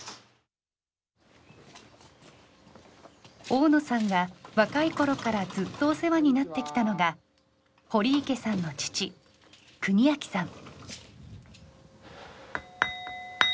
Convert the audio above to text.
大野さんが若いころからずっとお世話になってきたのが堀池さんの父邦彰さん。